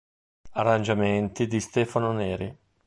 Arrangiamenti di Stefano Neri.